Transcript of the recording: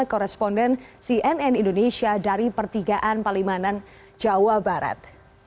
koresponden cnn indonesia dari pertigaan palimanan jawa barat